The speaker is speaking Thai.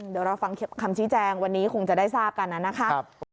เดี๋ยวเราฟังคำชี้แจงวันนี้คงจะได้ทราบกันนะครับ